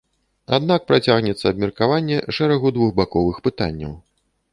Аднак працягнецца абмеркаванне шэрагу двухбаковых пытанняў.